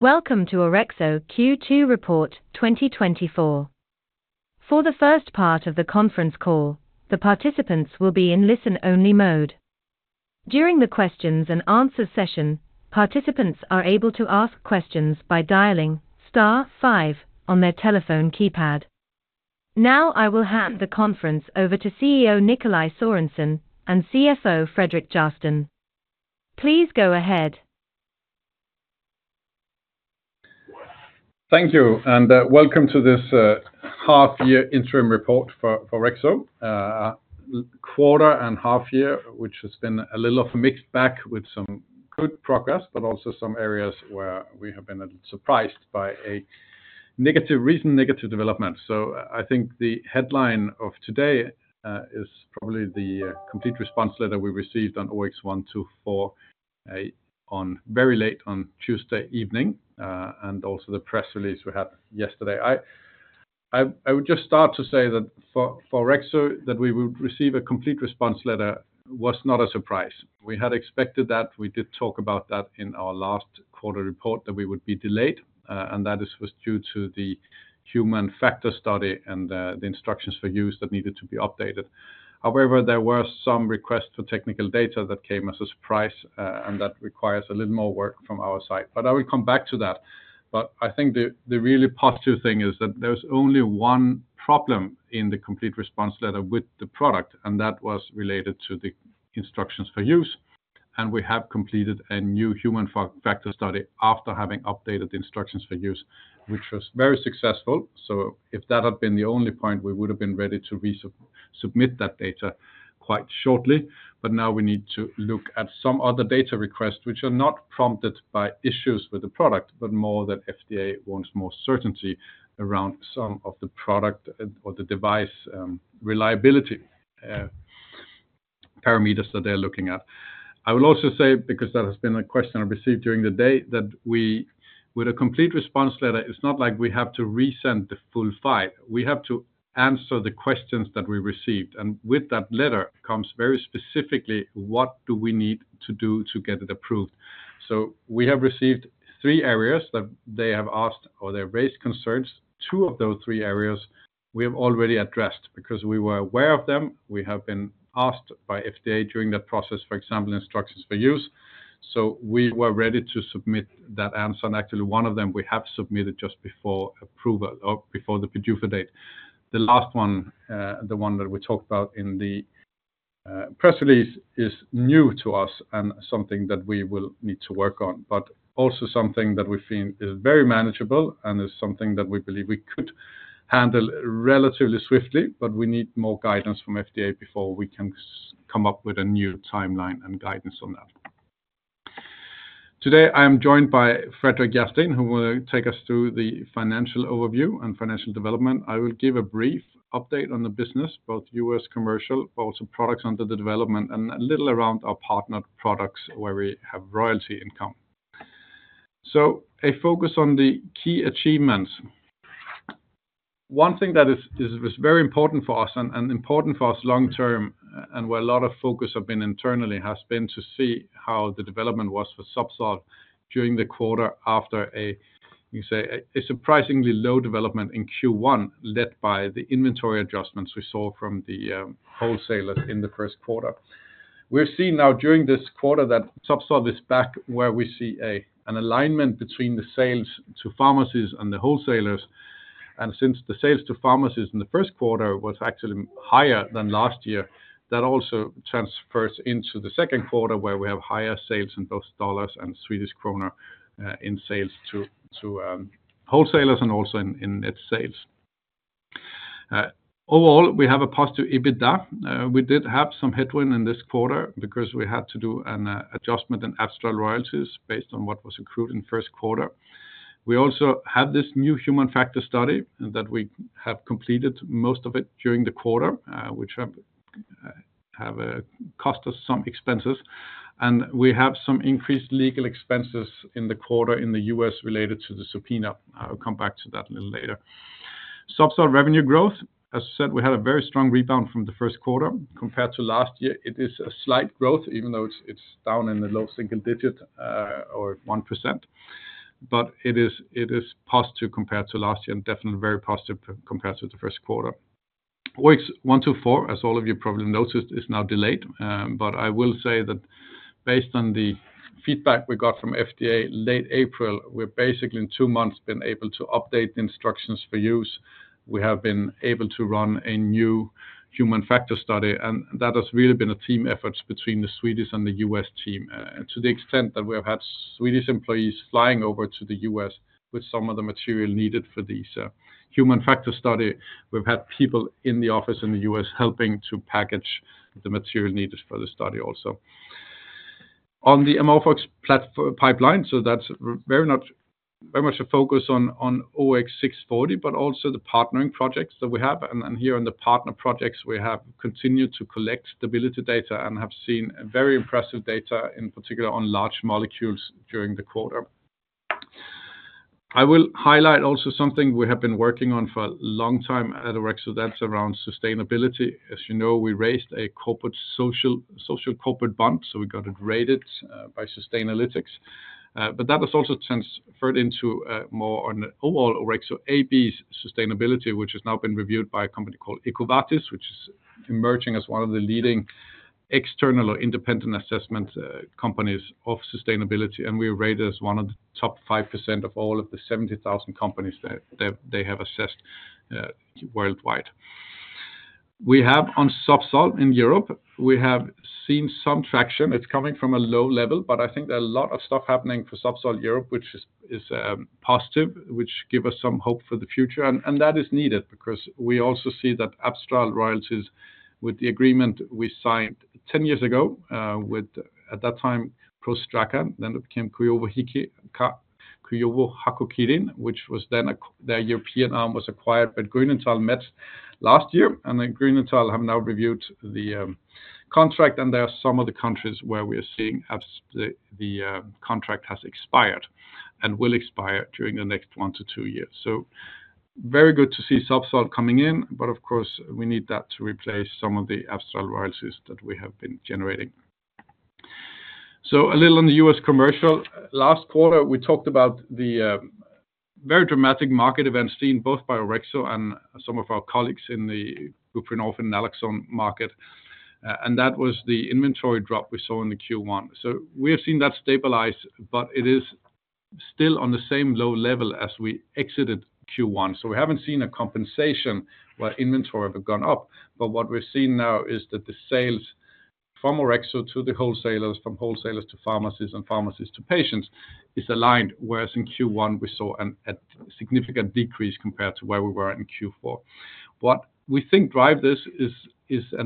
Welcome to Orexo Q2 Report 2024. For the first part of the conference call, the participants will be in listen-only mode. During the questions and answers session, participants are able to ask questions by dialing star five on their telephone keypad. Now, I will hand the conference over to CEO Nikolaj Sørensen and CFO Fredrik Järrsten. Please go ahead. Thank you, and welcome to this half year interim report for Orexo. Quarter and half year, which has been a little of a mixed bag with some good progress, but also some areas where we have been a little surprised by a recent negative development. So I think the headline of today is probably the Complete Response Letter we received on OX124, very late on Tuesday evening, and also the press release we had yesterday. I would just start to say that for Orexo, that we would receive a Complete Response Letter was not a surprise. We had expected that. We did talk about that in our last quarter report, that we would be delayed, and that this was due to the Human Factors Study and the Instructions for Use that needed to be updated. However, there were some requests for technical data that came as a surprise, and that requires a little more work from our side, but I will come back to that. But I think the really positive thing is that there's only one problem in the Complete Response Letter with the product, and that was related to the instructions for use, and we have completed a new human factors study after having updated the instructions for use, which was very successful. So if that had been the only point, we would have been ready to submit that data quite shortly. But now we need to look at some other data requests, which are not prompted by issues with the product, but more that FDA wants more certainty around some of the product or the device reliability parameters that they're looking at. I will also say, because that has been a question I received during the day, that we... With a Complete Response Letter, it's not like we have to resend the full file, we have to answer the questions that we received, and with that letter comes very specifically what we need to do to get it approved? So we have received three areas that they have asked or they raised concerns. Two of those three areas we have already addressed because we were aware of them. We have been asked by FDA during that process, for example, Instructions for Use, so we were ready to submit that answer, and actually, one of them we have submitted just before approval or before the PDUFA date. The last one, the one that we talked about in the press release, is new to us and something that we will need to work on, but also something that we feel is very manageable and is something that we believe we could handle relatively swiftly, but we need more guidance from FDA before we can come up with a new timeline and guidance on that. Today, I am joined by Fredrik Järrsten, who will take us through the financial overview and financial development. I will give a brief update on the business, both U.S. commercial, but also products under the development, and a little around our partnered products where we have royalty income. So a focus on the key achievements. One thing that is very important for us and important for us long term, and where a lot of focus have been internally, has been to see how the development was for Zubsolv during the quarter after a surprisingly low development in Q1, led by the inventory adjustments we saw from the wholesalers in the first quarter. We're seeing now during this quarter that Zubsolv is back, where we see an alignment between the sales to pharmacies and the wholesalers. And since the sales to pharmacies in the first quarter was actually higher than last year, that also transfers into the second quarter, where we have higher sales in both dollars and Swedish krona in sales to wholesalers and also in net sales. Overall, we have a positive EBITDA. We did have some headwind in this quarter because we had to do an adjustment in Abstral royalties based on what was accrued in first quarter. We also have this new Human Factors Study that we have completed most of it during the quarter, which has cost us some expenses. We have some increased legal expenses in the quarter in the US related to the subpoena. I'll come back to that a little later. Zubsolv revenue growth, as I said, we had a very strong rebound from the first quarter. Compared to last year, it is a slight growth, even though it's down in the low single digit, or 1%, but it is positive compared to last year and definitely very positive compared to the first quarter. OX124, as all of you probably noticed, is now delayed, but I will say that based on the feedback we got from FDA late April, we're basically in two months been able to update the instructions for use. We have been able to run a new human factors study, and that has really been a team effort between the Swedish and the U.S. team. And to the extent that we have had Swedish employees flying over to the U.S. with some of the material needed for this human factors study. We've had people in the office in the U.S. helping to package the material needed for the study also. On the MOX platform pipeline, so that's very much, very much a focus on, on OX640, but also the partnering projects that we have. Here on the partner projects, we have continued to collect stability data and have seen very impressive data, in particular on large molecules during the quarter. I will highlight also something we have been working on for a long time at Orexo. That's around sustainability. As you know, we raised a corporate social bond, so we got it rated by Sustainalytics. But that was also transferred into more on overall Orexo AB's sustainability, which has now been reviewed by a company called EcoVadis, which is emerging as one of the leading external or independent assessment companies of sustainability, and we are rated as one of the top 5% of all of the 70,000 companies that they have assessed worldwide. We have on Zubsolv in Europe, we have seen some traction. It's coming from a low level, but I think there are a lot of stuff happening for Zubsolv Europe, which is positive, which give us some hope for the future. And that is needed because we also see that Abstral royalties with the agreement we signed 10 years ago, with, at that time, ProStrakan, then it became Kyowa Hakko Kirin, which was then their European arm was acquired by Grünenthal last year, and then Grünenthal have now reviewed the contract, and there are some of the countries where we are seeing the contract has expired and will expire during the next one to two years. So very good to see Zubsolv coming in, but of course, we need that to replace some of the Abstral royalties that we have been generating. So a little on the US commercial. Last quarter, we talked about the very dramatic market events seen both by Orexo and some of our colleagues in the buprenorphine naloxone market, and that was the inventory drop we saw in the Q1. So we have seen that stabilize, but it is still on the same low level as we exited Q1. So we haven't seen a compensation where inventory have gone up, but what we're seeing now is that the sales from Orexo to the wholesalers, from wholesalers to pharmacies, and pharmacies to patients is aligned, whereas in Q1 we saw a significant decrease compared to where we were in Q4. What we think drive this is a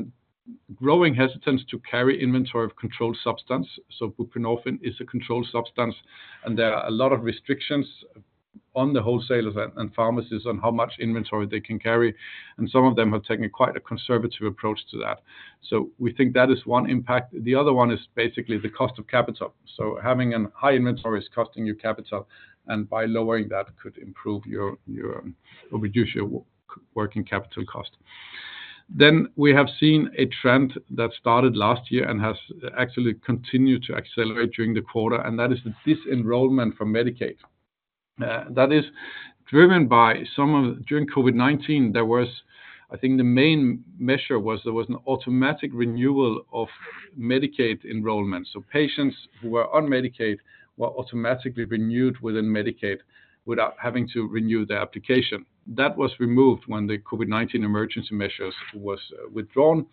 growing hesitance to carry inventory of controlled substance. So Buprenorphine is a controlled substance, and there are a lot of restrictions on the wholesalers and pharmacists on how much inventory they can carry, and some of them have taken quite a conservative approach to that. So we think that is one impact. The other one is basically the cost of capital. So having a high inventory is costing you capital, and by lowering that, could improve your or reduce your working capital cost. Then, we have seen a trend that started last year and has actually continued to accelerate during the quarter, and that is the disenrollment from Medicaid. That is driven by some of... During COVID-19, there was, I think the main measure was there was an automatic renewal of Medicaid enrollment. So patients who were on Medicaid were automatically renewed within Medicaid without having to renew their application. That was removed when the COVID-19 emergency measures was withdrawn,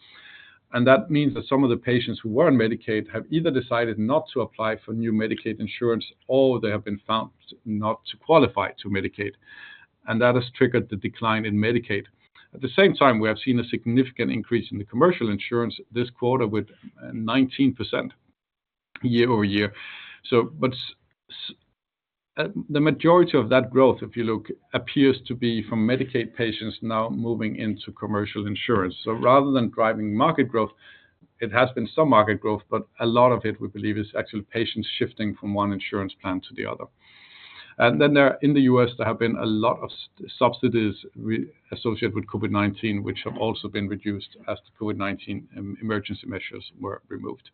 and that means that some of the patients who were on Medicaid have either decided not to apply for new Medicaid insurance, or they have been found not to qualify to Medicaid, and that has triggered the decline in Medicaid. At the same time, we have seen a significant increase in the commercial insurance this quarter with 19% year-over-year. So but, the majority of that growth, if you look, appears to be from Medicaid patients now moving into commercial insurance. So rather than driving market growth, it has been some market growth, but a lot of it, we believe, is actually patients shifting from one insurance plan to the other. And then there, in the US, there have been a lot of subsidies associated with COVID-19, which have also been reduced as the COVID-19 emergency measures were removed.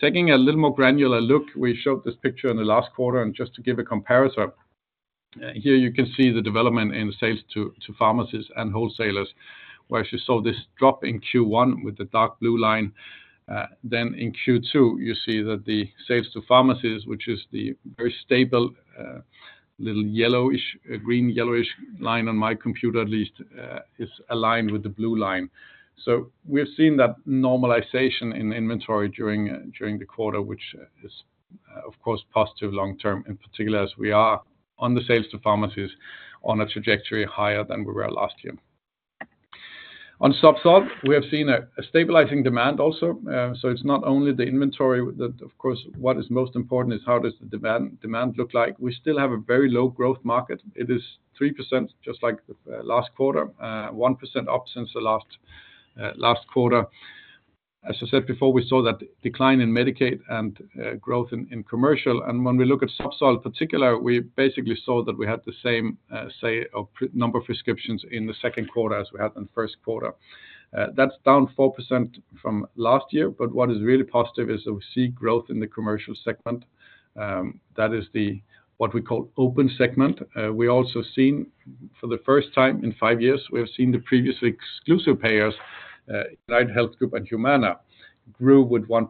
Taking a little more granular look, we showed this picture in the last quarter, and just to give a comparison, here you can see the development in sales to pharmacies and wholesalers. As you saw this drop in Q1 with the dark blue line, then in Q2, you see that the sales to pharmacies, which is the very stable little yellowish green, yellowish line on my computer at least, is aligned with the blue line. So we've seen that normalization in inventory during the quarter, which is, of course, positive long term, in particular, as we are on the sales to pharmacies on a trajectory higher than we were last year. On Zubsolv, we have seen a stabilizing demand also. So it's not only the inventory that. Of course, what is most important is how does the demand look like. We still have a very low growth market. It is 3%, just like the last quarter, 1% up since the last quarter. As I said before, we saw that decline in Medicaid and growth in commercial, and when we look at Zubsolv in particular, we basically saw that we had the same number of prescriptions in the second quarter as we had in the first quarter. That's down 4% from last year, but what is really positive is that we see growth in the commercial segment. That is the, what we call open segment. We also seen for the first time in five years, we have seen the previous exclusive payers, UnitedHealth Group and Humana, grew with 1%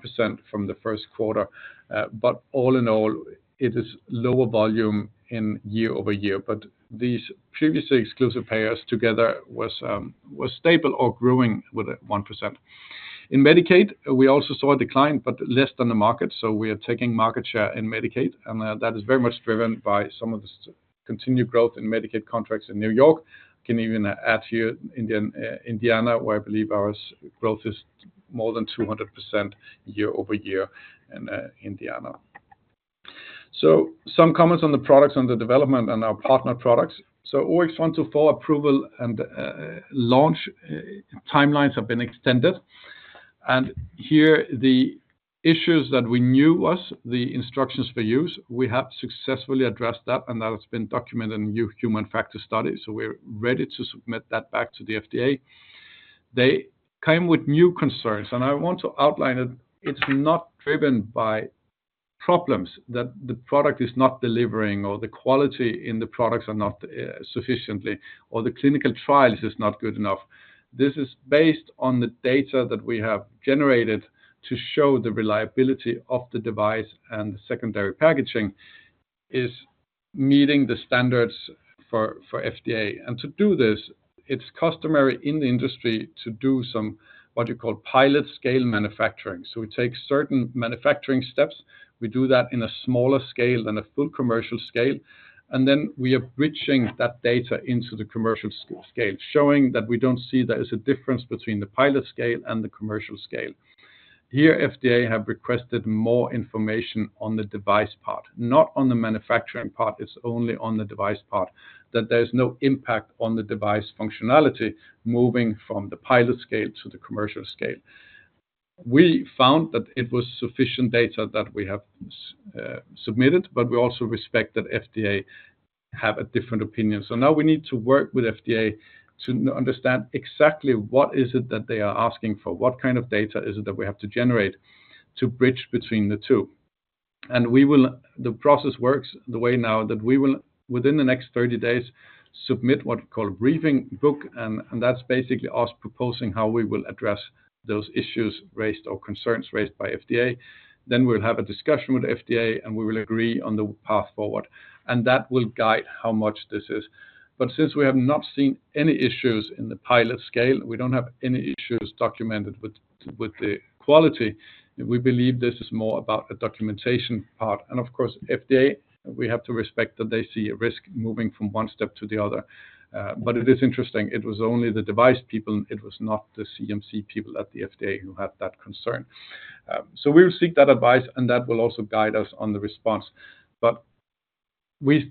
from the first quarter. But all in all, it is lower volume year-over-year. But these previously exclusive payers together was, was stable or growing with a 1%. In Medicaid, we also saw a decline, but less than the market, so we are taking market share in Medicaid, and that is very much driven by some of the continued growth in Medicaid contracts in New York. can even add here in Indiana, where I believe our growth is more than 200% year-over-year in Indiana. So some comments on the products under development and our partner products. So OX124 approval and launch timelines have been extended. And here, the issues that we knew was the Instructions for Use. We have successfully addressed that, and that has been documented in new Human Factors studies, so we're ready to submit that back to the FDA. They came with new concerns, and I want to outline it. It's not driven by problems that the product is not delivering, or the quality in the products are not sufficiently, or the clinical trials is not good enough. This is based on the data that we have generated to show the reliability of the device, and the secondary packaging is meeting the standards for FDA. To do this, it's customary in the industry to do some, what you call pilot scale manufacturing. We take certain manufacturing steps, we do that in a smaller scale than a full commercial scale, and then we are bridging that data into the commercial scale, showing that we don't see there is a difference between the pilot scale and the commercial scale. Here, FDA have requested more information on the device part, not on the manufacturing part. It's only on the device part, that there is no impact on the device functionality moving from the pilot scale to the commercial scale. We found that it was sufficient data that we have submitted, but we also respect that FDA have a different opinion. So now we need to work with FDA to understand exactly what is it that they are asking for, what kind of data is it that we have to generate to bridge between the two? And the process works the way now that we will, within the next 30 days, submit what we call a briefing book, and that's basically us proposing how we will address those issues raised or concerns raised by FDA. Then we'll have a discussion with the FDA, and we will agree on the path forward, and that will guide how much this is. But since we have not seen any issues in the pilot scale, we don't have any issues documented with, with the quality, we believe this is more about the documentation part. And of course, FDA, we have to respect that they see a risk moving from one step to the other. But it is interesting, it was only the device people, it was not the CMC people at the FDA who had that concern. So we will seek that advice, and that will also guide us on the response. But we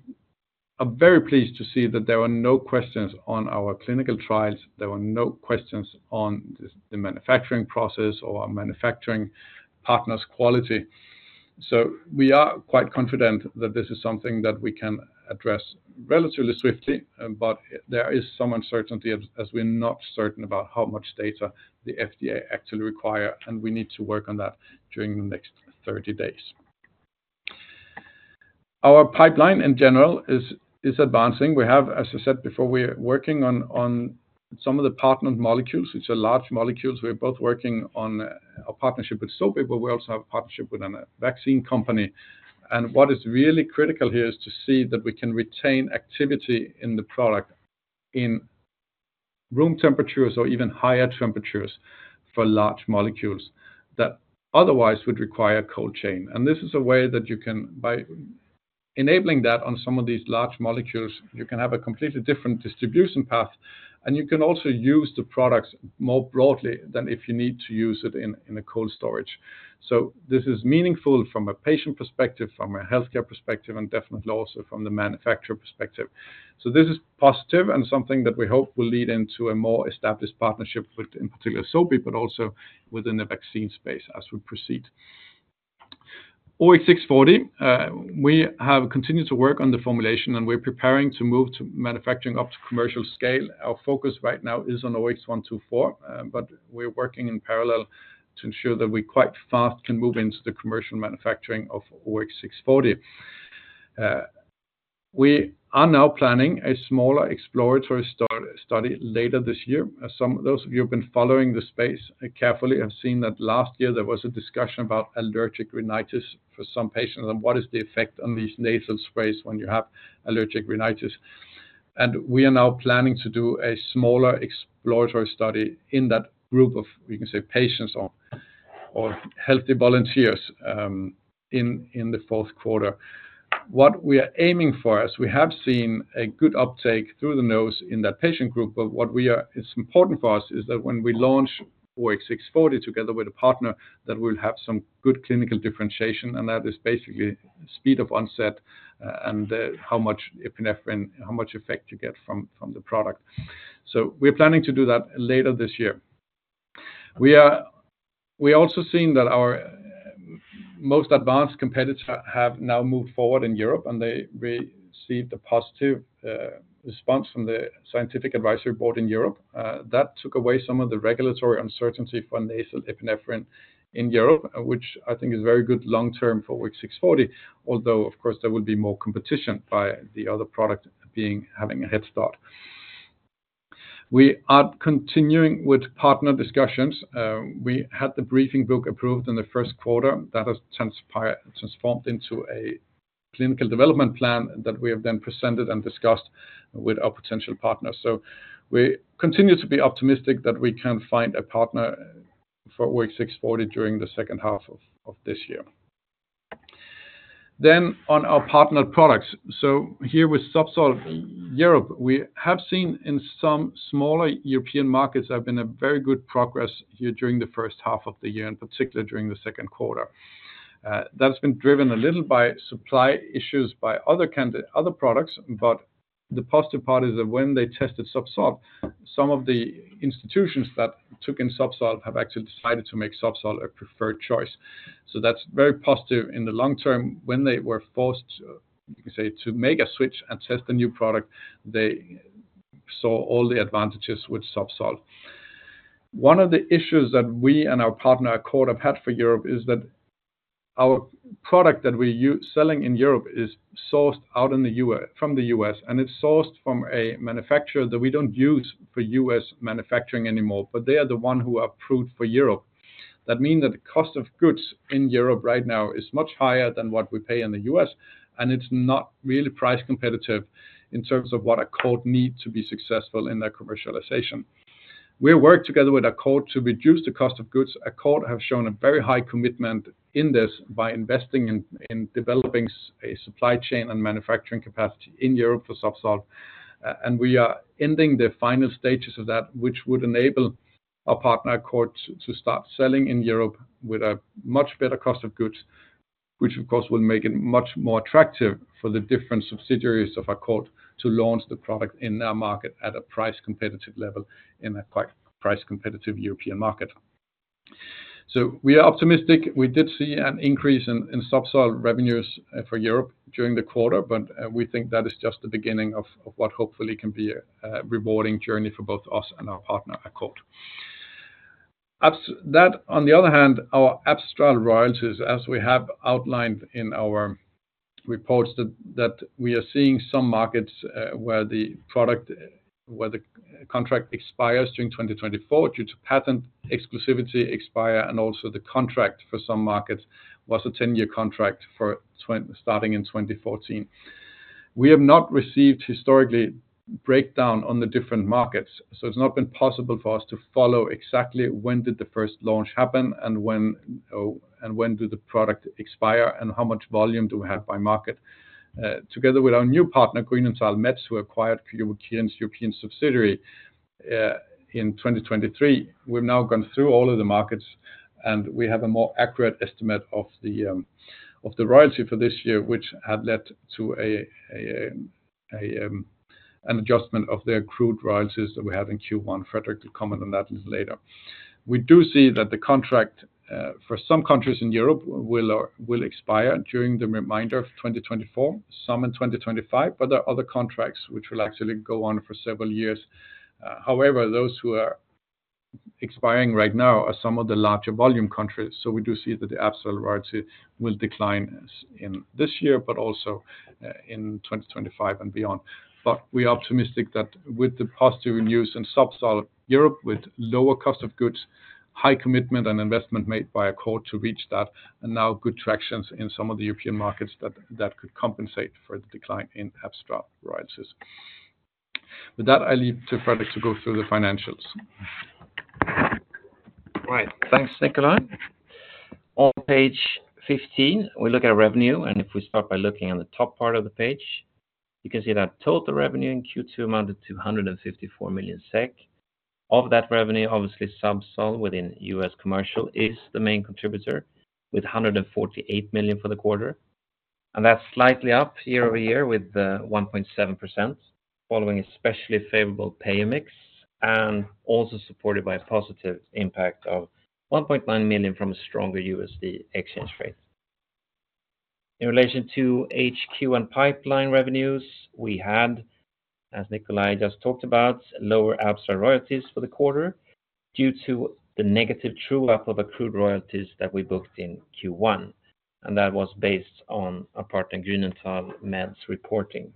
are very pleased to see that there were no questions on our clinical trials. There were no questions on the, the manufacturing process or our manufacturing partner's quality. So we are quite confident that this is something that we can address relatively swiftly, but there is some uncertainty as we're not certain about how much data the FDA actually require, and we need to work on that during the next 30 days. Our pipeline in general is advancing. We have, as I said before, we are working on some of the partner molecules. It's large molecules. We're both working on a partnership with Sobi, but we also have a partnership with a vaccine company. And what is really critical here is to see that we can retain activity in the product, in room temperatures or even higher temperatures, for large molecules that otherwise would require cold chain. This is a way that you can, by enabling that on some of these large molecules, you can have a completely different distribution path, and you can also use the products more broadly than if you need to use it in, in a cold storage. This is meaningful from a patient perspective, from a healthcare perspective, and definitely also from the manufacturer perspective. This is positive and something that we hope will lead into a more established partnership with, in particular, Sobi, but also within the vaccine space as we proceed. OX640, we have continued to work on the formulation, and we're preparing to move to manufacturing up to commercial scale. Our focus right now is on OX124, but we're working in parallel to ensure that we quite fast can move into the commercial manufacturing of OX640. We are now planning a smaller exploratory study later this year. As some of those of you who have been following the space carefully have seen that last year there was a discussion about allergic rhinitis for some patients and what is the effect on these nasal sprays when you have allergic rhinitis. We are now planning to do a smaller exploratory study in that group of, we can say, patients or healthy volunteers, in the fourth quarter. What we are aiming for, as we have seen a good uptake through the nose in that patient group, but what we are it's important for us, is that when we launch OX640 together with a partner, that we'll have some good clinical differentiation, and that is basically speed of onset, and, how much epinephrine, how much effect you get from the product. So we're planning to do that later this year. We also seen that our most advanced competitors have now moved forward in Europe, and they received a positive response from the Scientific Advisory Board in Europe. That took away some of the regulatory uncertainty for nasal epinephrine in Europe, which I think is very good long term for OX640. Although, of course, there will be more competition by the other product being, having a head start. We are continuing with partner discussions. We had the briefing book approved in the first quarter. That has transformed into a clinical development plan that we have then presented and discussed with our potential partners. So we continue to be optimistic that we can find a partner for OX640 during the second half of this year. Then on our partnered products. So here with Zubsolv Europe, we have seen in some smaller European markets, have been a very good progress here during the first half of the year, and particularly during the second quarter. That's been driven a little by supply issues, by other products, but the positive part is that when they tested Zubsolv, some of the institutions that took in Zubsolv have actually decided to make Zubsolv a preferred choice. So that's very positive in the long term. When they were forced, you can say, to make a switch and test the new product, they saw all the advantages with Zubsolv. One of the issues that we and our partner, Accord, have had for Europe is that our product that we selling in Europe is sourced out from the US, and it's sourced from a manufacturer that we don't use for US manufacturing anymore, but they are the one who approved for Europe. That mean that the cost of goods in Europe right now is much higher than what we pay in the US, and it's not really price competitive in terms of what Accord need to be successful in their commercialization. We work together with Accord to reduce the cost of goods. Accord have shown a very high commitment in this by investing in developing a supply chain and manufacturing capacity in Europe for Zubsolv, and we are ending the final stages of that, which would enable our partner, Accord, to start selling in Europe with a much better cost of goods, which of course will make it much more attractive for the different subsidiaries of Accord to launch the product in their market at a price competitive level, in a quite price competitive European market. So we are optimistic. We did see an increase in Zubsolv revenues for Europe during the quarter, but we think that is just the beginning of what hopefully can be a rewarding journey for both us and our partner, Accord. That, on the other hand, our Abstral royalties, as we have outlined in our reports, that we are seeing some markets where the product where the contract expires during 2024 due to patent exclusivity expire, and also the contract for some markets was a ten-year contract starting in 2014. We have not received historically breakdown on the different markets, so it's not been possible for us to follow exactly when did the first launch happen, and when and when did the product expire, and how much volume do we have by market. Together with our new partner, Grünenthal, who acquired Kyowa Kirin's European subsidiary in 2023, we've now gone through all of the markets, and we have a more accurate estimate of the royalty for this year, which have led to an adjustment of the accrued royalties that we have in Q1. Fredrik will comment on that a little later. We do see that the contract for some countries in Europe will expire during the remainder of 2024, some in 2025, but there are other contracts which will actually go on for several years. However, those who are expiring right now are some of the larger volume countries, so we do see that the Abstral royalty will decline in this year, but also in 2025 and beyond. But we are optimistic that with the positive news in Zubsolv Europe, with lower cost of goods, high commitment and investment made by Accord to reach that, and now good tractions in some of the European markets, that could compensate for the decline in Abstral royalties. With that, I leave to Fredrik to go through the financials. Right. Thanks, Nikolaj. On page 15, we look at revenue, and if we start by looking on the top part of the page, you can see that total revenue in Q2 amounted to 154 million SEK. Of that revenue, obviously, Zubsolv within U.S. commercial is the main contributor, with 148 million for the quarter, and that's slightly up year-over-year with 1.7%, following a specially favorable payer mix, and also supported by a positive impact of 1.9 million from a stronger USD exchange rate. In relation to other and pipeline revenues, we had, as Nikolaj just talked about, lower Abstral royalties for the quarter due to the negative true-up of accrued royalties that we booked in Q1, and that was based on our partner, Grünenthal Meds, reporting.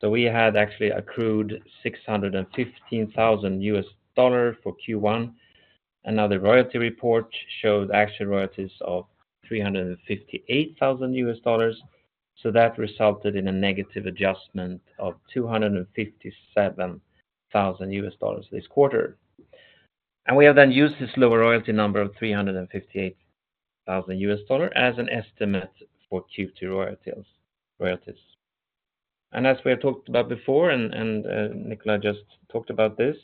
So we had actually accrued $615,000 for Q1, another royalty report showed actual royalties of $358,000, so that resulted in a negative adjustment of $257,000 this quarter. And we have then used this lower royalty number of $358,000 as an estimate for Q2 royalties, royalties. And as we have talked about before, and, and, Nikolaj just talked about this,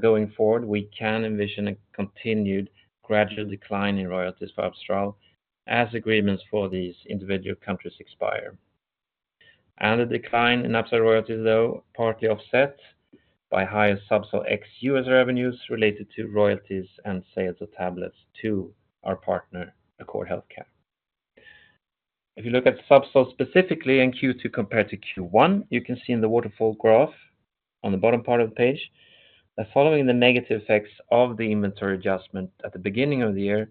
going forward, we can envision a continued gradual decline in royalties for Abstral as agreements for these individual countries expire. And the decline in Abstral royalties, though, partly offset by higher Zubsolv ex US revenues related to royalties and sales of tablets to our partner, Accord Healthcare. If you look at Zubsolv specifically in Q2 compared to Q1, you can see in the waterfall graph on the bottom part of the page, that following the negative effects of the inventory adjustment at the beginning of the year,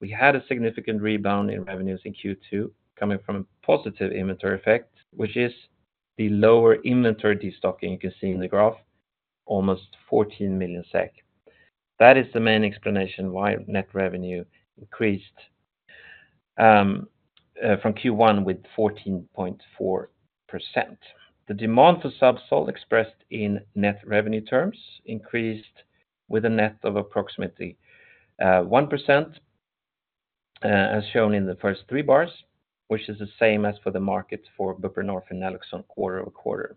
we had a significant rebound in revenues in Q2, coming from a positive inventory effect, which is the lower inventory destocking you can see in the graph, almost 14 million SEK. That is the main explanation why net revenue increased from Q1 with 14.4%. The demand for Zubsolv, expressed in net revenue terms, increased with a net of approximately 1%, as shown in the first three bars, which is the same as for the markets for buprenorphine and naloxone quarter-over-quarter.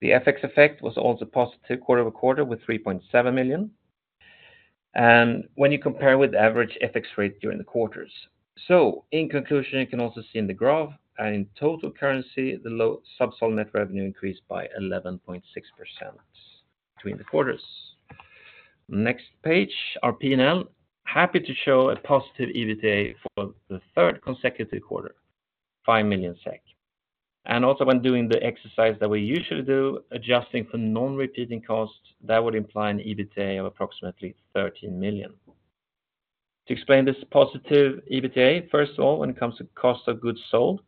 The FX effect was also positive quarter-over-quarter with 3.7 million SEK. When you compare with average FX rate during the quarters. In conclusion, you can also see in the graph and in total currency, the Zubsolv net revenue increased by 11.6% between the quarters. Next page, our P&L. Happy to show a positive EBITDA for the third consecutive quarter, 5 million SEK. Also when doing the exercise that we usually do, adjusting for non-repeating costs, that would imply an EBITDA of approximately 13 million. To explain this positive EBITDA, first of all, when it comes to cost of goods sold,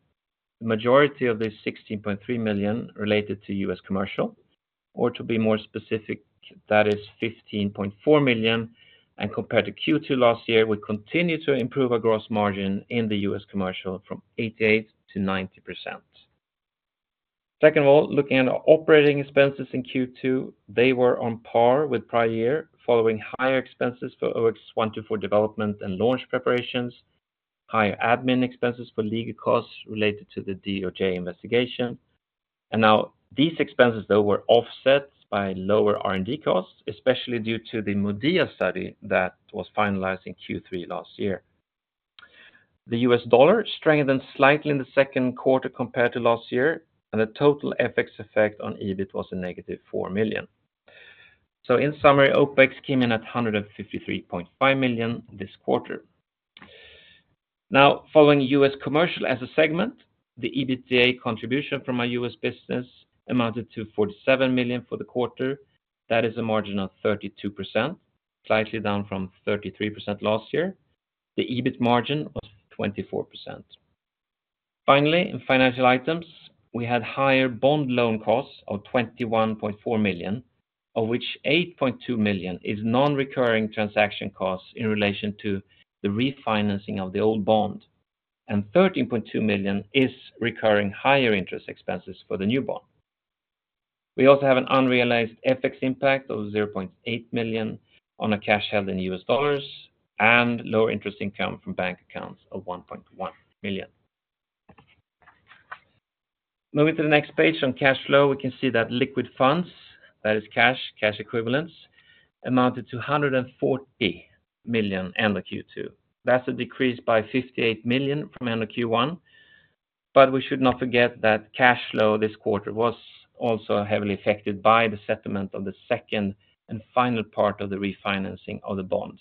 the majority of this 16.3 million related to US commercial, or to be more specific, that is 15.4 million, and compared to Q2 last year, we continue to improve our gross margin in the US commercial from 88%-90%. Second of all, looking at our operating expenses in Q2, they were on par with prior year, following higher expenses for OX124 development and launch preparations, higher admin expenses for legal costs related to the DOJ investigation. And now these expenses, though, were offset by lower R&D costs, especially due to the MODIA study that was finalized in Q3 last year. The US dollar strengthened slightly in the second quarter compared to last year, and the total FX effect on EBIT was -4 million. So in summary, OpEx came in at 153.5 million this quarter. Now, following US commercial as a segment, the EBITDA contribution from our US business amounted to 47 million for the quarter. That is a margin of 32%, slightly down from 33% last year. The EBIT margin was 24%. Finally, in financial items, we had higher bond loan costs of 21.4 million, of which 8.2 million is non-recurring transaction costs in relation to the refinancing of the old bond, and 13.2 million is recurring higher interest expenses for the new bond. We also have an unrealized FX impact of 0.8 million on a cash held in US dollars, and lower interest income from bank accounts of 1.1 million. Moving to the next page, on cash flow, we can see that liquid funds, that is cash, cash equivalents, amounted to 140 million end of Q2. That's a decrease by 58 million from end of Q1, but we should not forget that cash flow this quarter was also heavily affected by the settlement of the second and final part of the refinancing of the bond.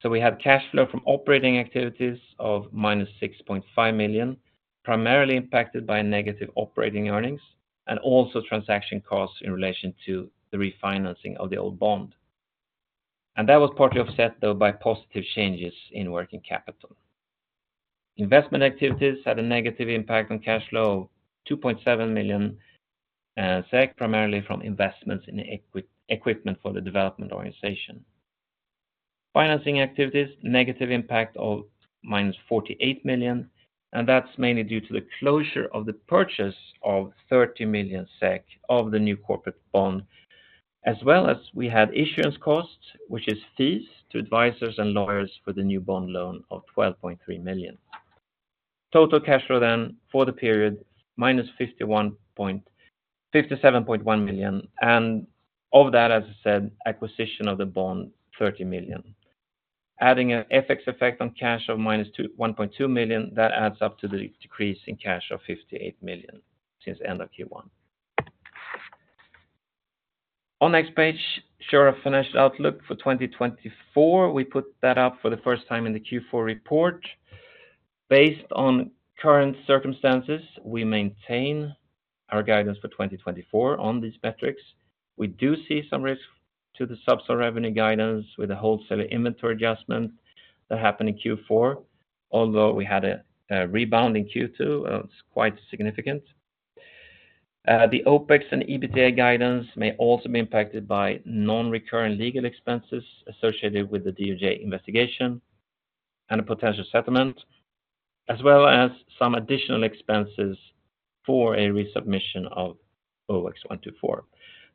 So we have cash flow from operating activities of -6.5 million, primarily impacted by negative operating earnings and also transaction costs in relation to the refinancing of the old bond. That was partly offset, though, by positive changes in working capital. Investment activities had a negative impact on cash flow of -2.7 million SEK, SEK, primarily from investments in equipment for the development organization. Financing activities, negative impact of -48 million, and that's mainly due to the closure of the purchase of 30 million SEK of the new corporate bond, as well as we had issuance costs, which is fees to advisors and lawyers for the new bond loan of 12.3 million. Total cash flow then for the period, -57.1 million, and of that, as I said, acquisition of the bond, 30 million. Adding an FX effect on cash of -21.2 million, that adds up to the decrease in cash of 58 million since end of Q1. On next page, show our financial outlook for 2024. We put that up for the first time in the Q4 report. Based on current circumstances, we maintain our guidance for 2024 on these metrics. We do see some risk to the Zubsolv revenue guidance with the wholesale inventory adjustment that happened in Q4, although we had a rebound in Q2, it's quite significant. The OpEx and EBITDA guidance may also be impacted by non-recurring legal expenses associated with the DOJ investigation and a potential settlement, as well as some additional expenses for a resubmission of OX124.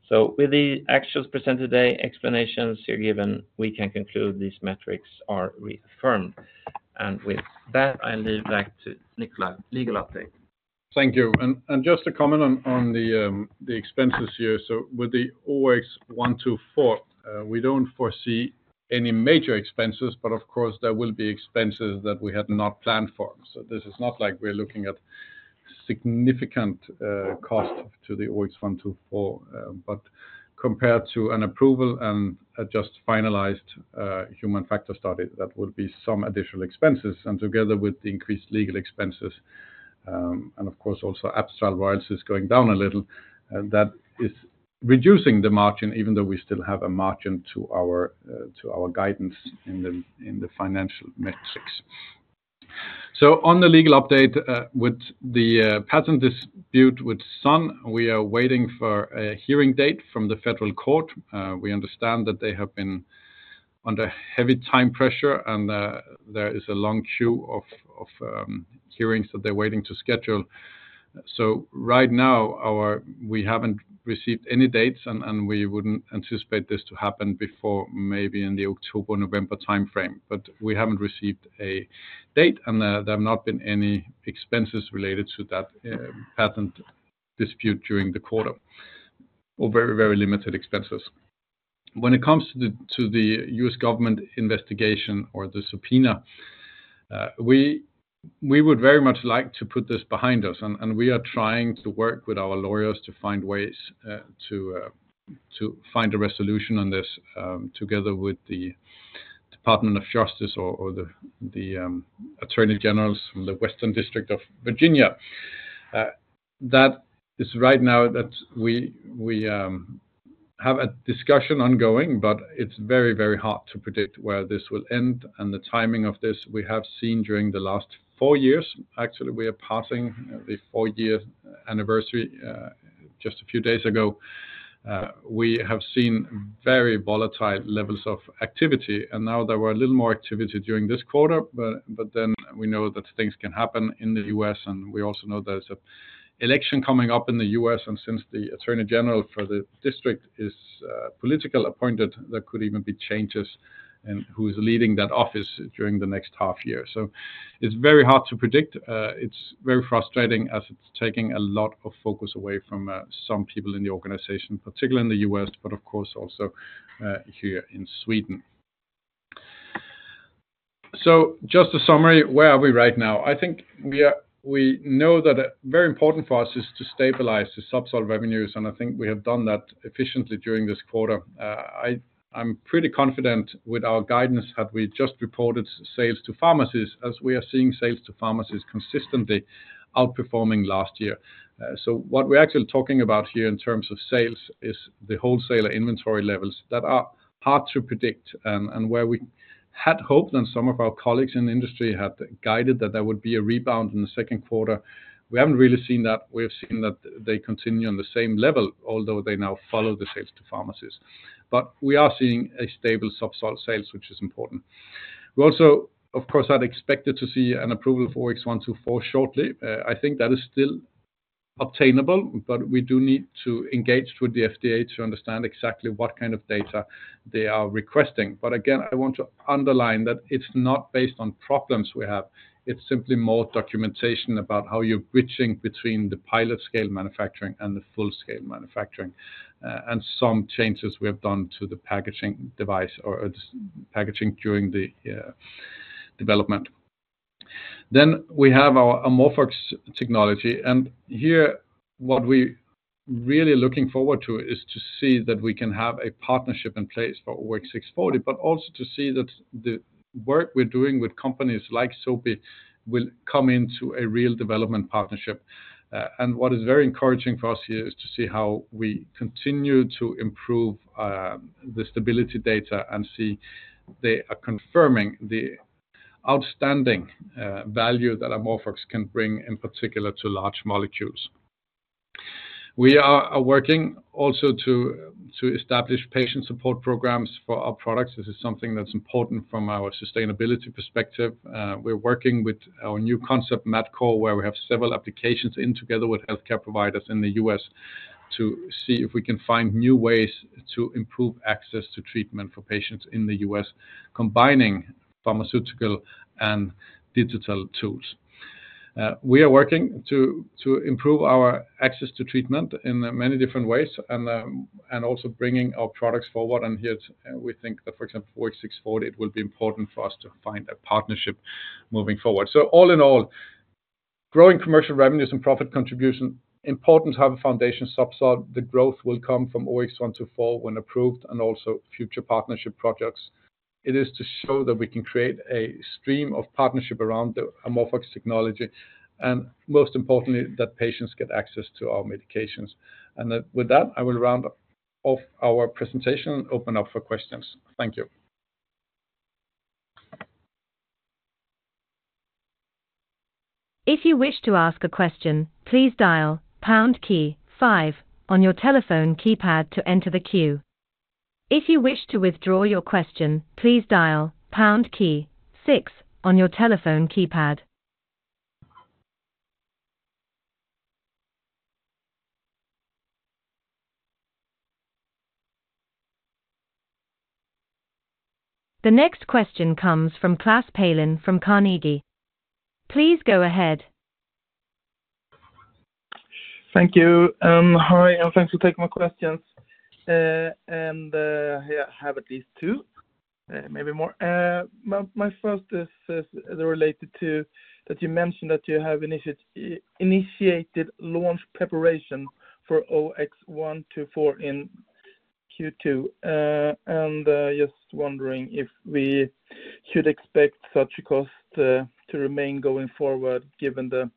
So with the actuals presented today, explanations here given, we can conclude these metrics are reaffirmed. With that, I leave back to Nikolaj's legal update. Thank you. And just to comment on the expenses here. So with the OX124, we don't foresee any major expenses, but of course, there will be expenses that we had not planned for. So this is not like we're looking at significant cost to the OX124, but compared to an approval and a just finalized human factors study, that will be some additional expenses, and together with the increased legal expenses, and of course, also Abstral royalties is going down a little, and that is reducing the margin, even though we still have a margin to our guidance in the financial metrics. So on the legal update, with the patent dispute with Sun, we are waiting for a hearing date from the Federal Court. We understand that they have been under heavy time pressure, and there is a long queue of hearings that they're waiting to schedule. So right now, we haven't received any dates, and we wouldn't anticipate this to happen before maybe in the October, November timeframe, but we haven't received a date, and there have not been any expenses related to that patent dispute during the quarter, or very, very limited expenses. When it comes to the U.S. government investigation or the subpoena, we would very much like to put this behind us, and we are trying to work with our lawyers to find ways to find a resolution on this together with the Department of Justice or the Attorney Generals from the Western District of Virginia. That is right now that we have a discussion ongoing, but it's very, very hard to predict where this will end and the timing of this. We have seen during the last four years, actually, we are passing the four-year anniversary just a few days ago. We have seen very volatile levels of activity, and now there were a little more activity during this quarter, but then we know that things can happen in the US, and we also know there's an election coming up in the US, and since the Attorney General for the district is politically appointed, there could even be changes in who is leading that office during the next half year. So it's very hard to predict. It's very frustrating as it's taking a lot of focus away from some people in the organization, particularly in the U.S., but of course, also here in Sweden. So just a summary, where are we right now? I think we know that very important for us is to stabilize the Zubsolv revenues, and I think we have done that efficiently during this quarter. I'm pretty confident with our guidance had we just reported sales to pharmacies, as we are seeing sales to pharmacies consistently outperforming last year. So what we're actually talking about here in terms of sales is the wholesaler inventory levels that are hard to predict, and where we had hoped and some of our colleagues in the industry had guided that there would be a rebound in the second quarter. We haven't really seen that. We have seen that they continue on the same level, although they now follow the sales to pharmacies. But we are seeing a stable Zubsolv sales, which is important. We also, of course, had expected to see an approval for OX124 shortly. I think that is still obtainable, but we do need to engage with the FDA to understand exactly what kind of data they are requesting. But again, I want to underline that it's not based on problems we have. It's simply more documentation about how you're bridging between the pilot scale manufacturing and the full-scale manufacturing, and some changes we have done to the packaging device or its packaging during the development. Then we have our AmorphOX technology, and here, what we really looking forward to is to see that we can have a partnership in place for OX640, but also to see that the work we're doing with companies like Sobi will come into a real development partnership. And what is very encouraging for us here is to see how we continue to improve the stability data and see they are confirming the outstanding value that AmorphOX can bring, in particular, to large molecules. We are working also to establish patient support programs for our products. This is something that's important from our sustainability perspective. We're working with our new concept, Medcore, where we have several applications in together with healthcare providers in the US to see if we can find new ways to improve access to treatment for patients in the US, combining pharmaceutical and digital tools. We are working to improve our access to treatment in many different ways and also bringing our products forward. And here, we think that, for example, OX640, it will be important for us to find a partnership moving forward. So all in all, growing commercial revenues and profit contribution, important to have a foundation Zubsolv. The growth will come from OX124 when approved, and also future partnership projects. It is to show that we can create a stream of partnership around the AmorphOX technology, and most importantly, that patients get access to our medications. With that, I will round off our presentation, open up for questions. Thank you. If you wish to ask a question, please dial pound key five on your telephone keypad to enter the queue. If you wish to withdraw your question, please dial pound key six on your telephone keypad. The next question comes from Klas Palin from Carnegie. Please go ahead. Thank you. Hi, and thanks for taking my questions. Yeah, I have at least two, maybe more. My first is related to that you mentioned that you have initiated launch preparation for OX124 in Q2. Just wondering if we should expect such a cost to remain going forward, given the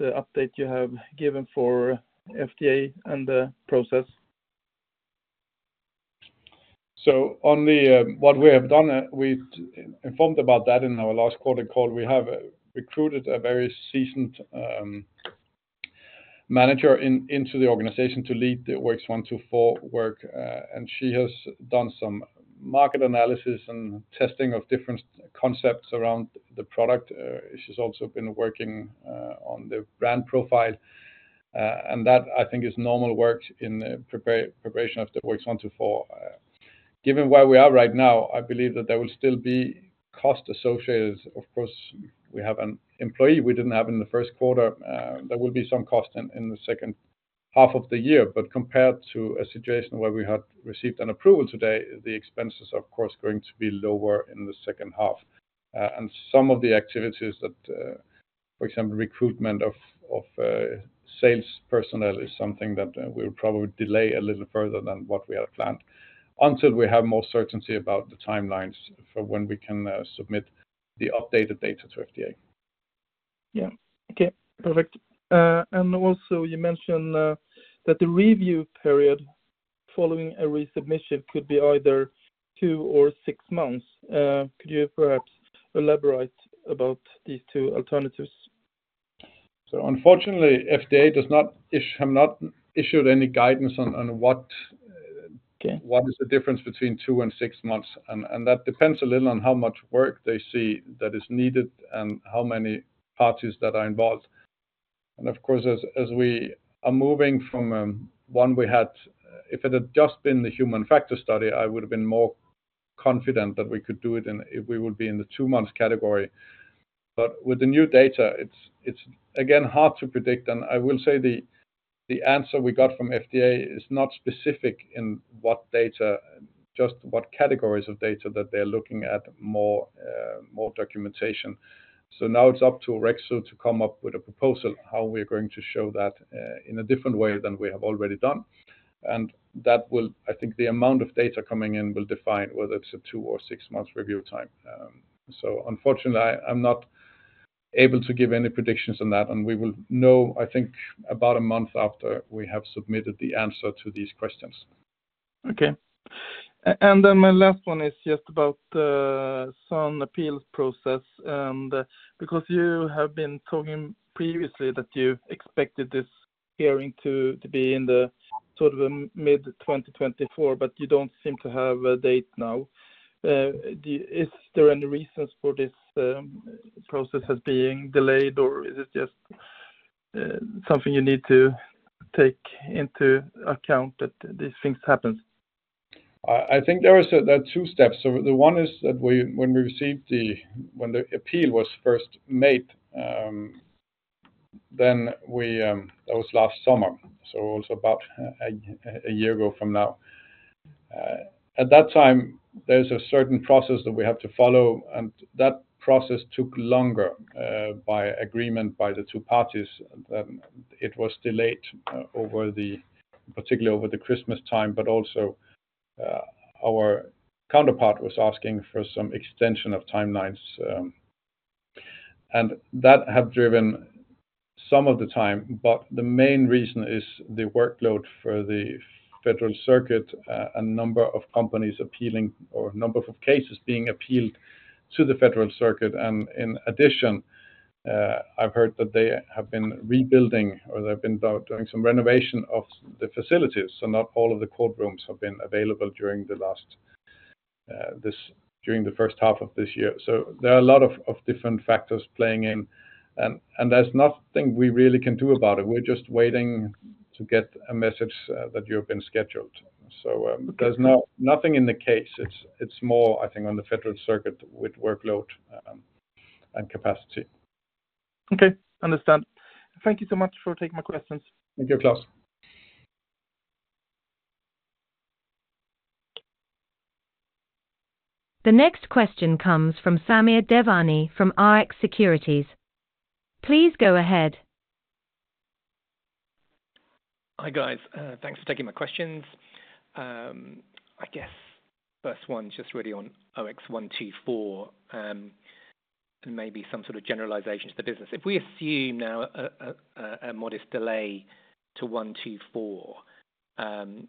update you have given for FDA and the process? So, what we have done, we informed about that in our last quarter call. We have recruited a very seasoned manager into the organization to lead the OX124 work, and she has done some market analysis and testing of different concepts around the product. She's also been working on the brand profile, and that, I think, is normal work in the preparation of the OX124. Given where we are right now, I believe that there will still be cost associated, of course, we have an employee we didn't have in the first quarter. There will be some cost in the second half of the year, but compared to a situation where we had received an approval today, the expenses, of course, going to be lower in the second half. And some of the activities that, for example, recruitment of sales personnel, is something that we'll probably delay a little further than what we had planned until we have more certainty about the timelines for when we can submit the updated data to FDA. Yeah. Okay, perfect. And also you mentioned that the review period following a resubmission could be either two or six months. Could you perhaps elaborate about these two alternatives? So unfortunately, FDA has not issued any guidance on what- Okay... what is the difference between two and six months? And that depends a little on how much work they see that is needed and how many parties that are involved. And of course, as we are moving from one we had, if it had just been the human factors study, I would have been more confident that we could do it in—we would be in the two-months category. But with the new data, it's again hard to predict. And I will say the answer we got from FDA is not specific in what data, just what categories of data that they're looking at more documentation. So now it's up to Orexo to come up with a proposal, how we're going to show that in a different way than we have already done. And that will... I think the amount of data coming in will define whether it's a two or six months review time. So unfortunately, I'm not able to give any predictions on that, and we will know, I think, about a month after we have submitted the answer to these questions. Okay. And then my last one is just about some appeal process. And because you have been talking previously that you expected this hearing to be in the sort of a mid-2024, but you don't seem to have a date now. Is there any reasons for this process as being delayed, or is it just something you need to take into account that these things happen? I think there is, there are two steps. So the one is that we, when the appeal was first made, then we. That was last summer, so it was about a year ago from now. At that time, there's a certain process that we have to follow, and that process took longer, by agreement by the two parties. It was delayed, particularly over the Christmas time, but also, our counterpart was asking for some extension of timelines, and that have driven some of the time. But the main reason is the workload for the Federal Circuit, a number of companies appealing or number of cases being appealed to the Federal Circuit. And in addition, I've heard that they have been rebuilding or they've been doing some renovation of the facilities, so not all of the courtrooms have been available during the first half of this year. So there are a lot of different factors playing in, and there's nothing we really can do about it. We're just waiting to get a message that you have been scheduled. So, there's nothing in the case. It's more, I think, on the Federal Circuit with workload and capacity. Okay, understand. Thank you so much for taking my questions. Thank you, Claus. The next question comes from Samir Devani from Rx Securities. Please go ahead. Hi, guys, thanks for taking my questions. I guess first one, just really on OX124, and maybe some sort of generalization to the business. If we assume now a modest delay to 124, I'm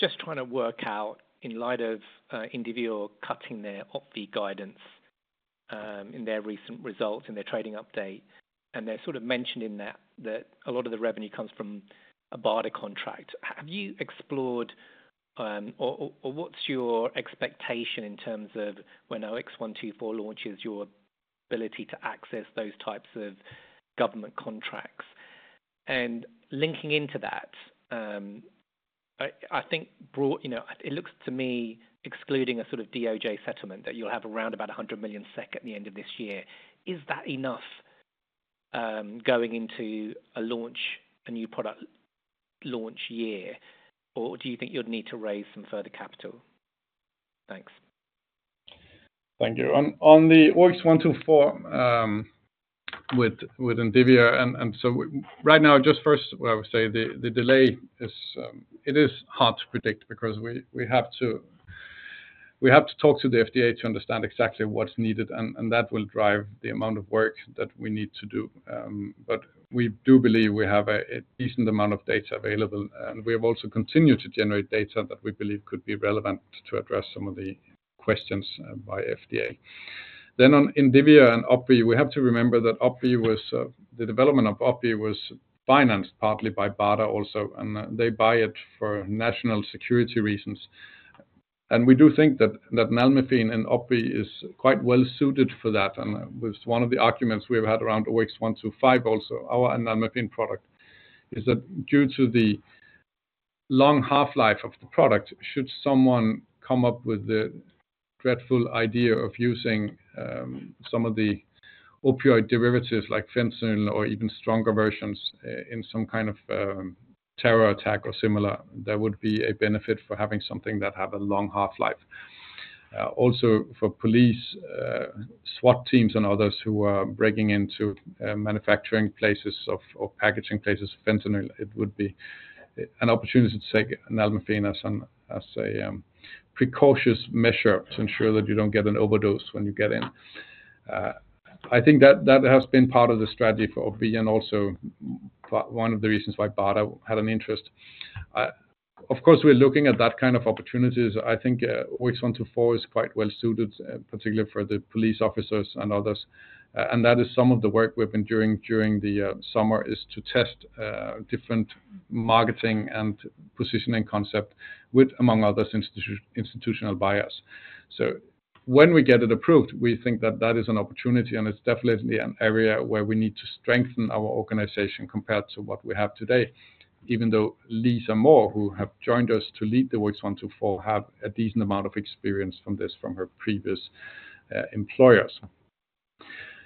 just trying to work out in light of, Indivior cutting their OPVEE guidance, in their recent results, in their trading update, and they're sort of mentioning that, that a lot of the revenue comes from a BARDA contract. Have you explored, or what's your expectation in terms of when OX124 launches your ability to access those types of government contracts? And linking into that, I think, you know, it looks to me, excluding a sort of DOJ settlement, that you'll have around about 100 million SEK at the end of this year. Is that enough, going into a launch, a new product launch year, or do you think you'd need to raise some further capital? Thanks. Thank you. On the OX124, with Indivior and so right now, just first, I would say the delay is hard to predict because we have to talk to the FDA to understand exactly what's needed, and that will drive the amount of work that we need to do. But we do believe we have a decent amount of data available, and we have also continued to generate data that we believe could be relevant to address some of the questions by FDA. Then on Indivior and OPVEE, we have to remember that the development of OPVEE was financed partly by BARDA also, and they buy it for national security reasons. And we do think that nalmefene and OPVEE is quite well suited for that. Was one of the arguments we've had around OX125 also, our nalmefene product, is that due to the long half-life of the product, should someone come up with the dreadful idea of using some of the opioid derivatives, like fentanyl or even stronger versions, in some kind of terror attack or similar, there would be a benefit for having something that have a long half-life. Also, for police, SWAT teams and others who are breaking into manufacturing places or packaging places, fentanyl, it would be an opportunity to take nalmefene as a precautionary measure to ensure that you don't get an overdose when you get in. I think that has been part of the strategy for OPVEE, also, one of the reasons why BARDA had an interest. Of course, we're looking at that kind of opportunities. I think, OX124 is quite well suited, particularly for the police officers and others. And that is some of the work we've been doing during the summer, is to test different marketing and positioning concept with, among others, institutional buyers. So when we get it approved, we think that that is an opportunity, and it's definitely an area where we need to strengthen our organization compared to what we have today, even though Lisa Moore, who have joined us to lead the OX124, have a decent amount of experience from this from her previous employers.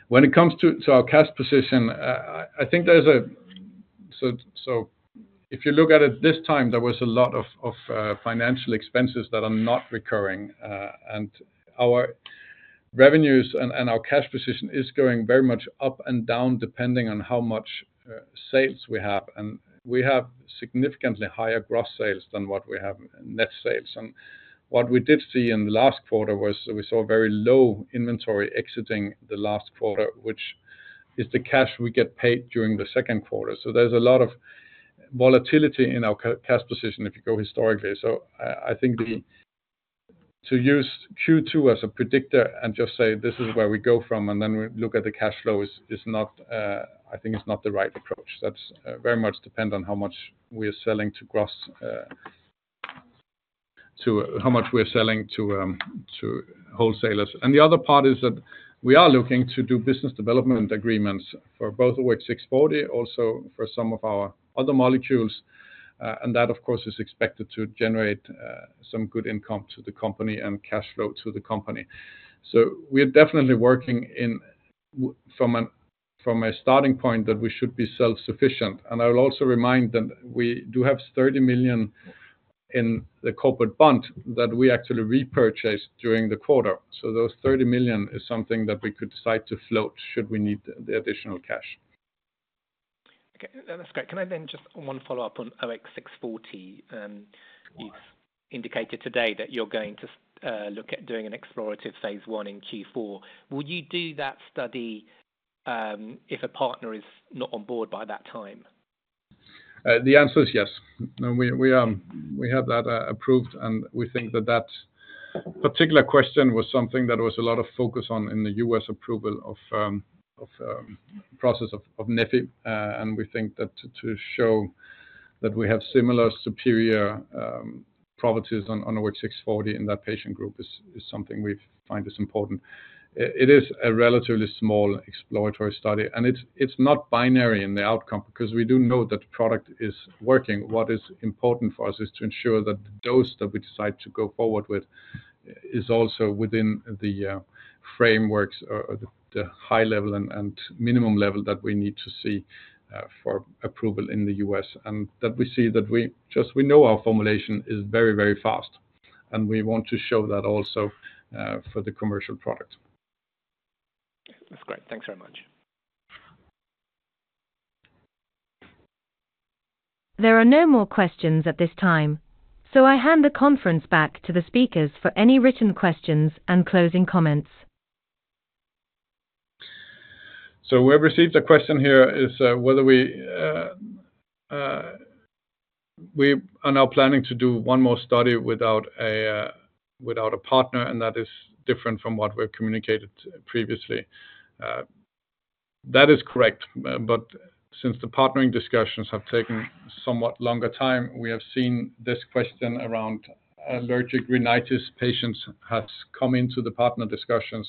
When it comes to our cash position, I think there's a... So if you look at it this time, there was a lot of financial expenses that are not recurring. And our revenues and our cash position is going very much up and down, depending on how much sales we have. And we have significantly higher gross sales than what we have net sales. And what we did see in the last quarter was we saw very low inventory exiting the last quarter, which is the cash we get paid during the second quarter. So there's a lot of volatility in our cash position if you go historically. So I think to use Q2 as a predictor and just say, "This is where we go from," and then we look at the cash flows, is not, I think is not the right approach. That's very much depend on how much we are selling to gross to how much we're selling to to wholesalers. The other part is that we are looking to do business development agreements for both OX640, also for some of our other molecules. And that, of course, is expected to generate some good income to the company and cash flow to the company. So we are definitely working from a, from a starting point that we should be self-sufficient. And I will also remind them, we do have 30 million in the corporate bond that we actually repurchased during the quarter. So those 30 million is something that we could decide to float, should we need the additional cash. Okay, that's great. Can I then just one follow-up on OX640? Yes. You've indicated today that you're going to look at doing an exploratory phase 1 in Q4. Will you do that study, if a partner is not on board by that time? The answer is yes. No, we, we, we have that approved, and we think that that particular question was something that was a lot of focus on in the U.S. approval of, of, process of, of neffy. And we think that to show that we have similar superior, properties on, on OX640 in that patient group is, is something we find is important. It is a relatively small exploratory study, and it's, it's not binary in the outcome because we do know that the product is working. What is important for us is to ensure that the dose that we decide to go forward with is also within the, frameworks or, or the, the high level and, and minimum level that we need to see, for approval in the U.S. And that we see that just we know our formulation is very, very fast, and we want to show that also for the commercial product. That's great. Thanks very much. There are no more questions at this time, so I hand the conference back to the speakers for any written questions and closing comments. So we have received a question here whether we are now planning to do one more study without a partner, and that is different from what we've communicated previously. That is correct, but since the partnering discussions have taken somewhat longer time, we have seen this question around allergic rhinitis patients has come into the partner discussions.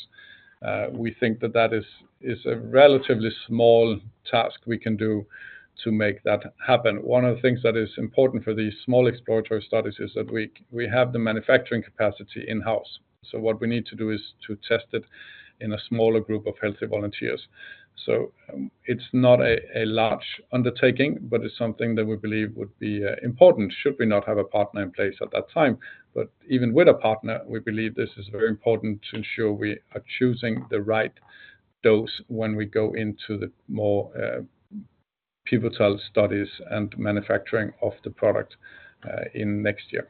We think that that is a relatively small task we can do to make that happen. One of the things that is important for these small exploratory studies is that we have the manufacturing capacity in-house. So what we need to do is to test it in a smaller group of healthy volunteers. So, it's not a large undertaking, but it's something that we believe would be important, should we not have a partner in place at that time. But even with a partner, we believe this is very important to ensure we are choosing the right dose when we go into the more pivotal studies and manufacturing of the product in next year.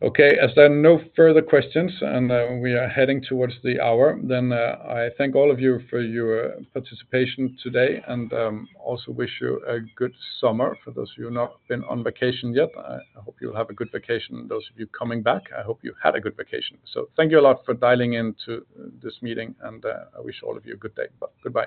Okay, as there are no further questions, and we are heading towards the hour, then I thank all of you for your participation today, and also wish you a good summer. For those of you who have not been on vacation yet, I hope you'll have a good vacation. Those of you coming back, I hope you had a good vacation. Thank you a lot for dialing in to this meeting, and, I wish all of you a good day. Bye. Goodbye.